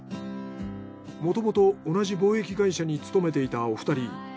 もともと同じ貿易会社に勤めていたお二人。